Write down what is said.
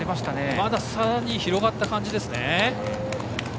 またさらに広がった感じですね。